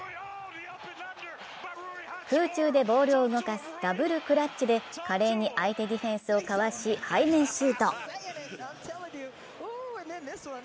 空中でボールを動かすダブルクラッチで華麗に相手ディフェンスをかわし背面シュート。